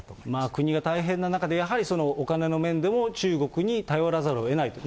国が大変な中でやはりお金の面でも中国に頼らざるをえないと。